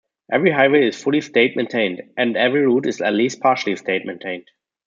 Every highway is fully state-maintained, and every route is at least partially state-maintained.